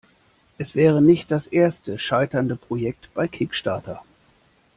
Es wäre nicht das erste scheiternde Projekt bei Kickstarter.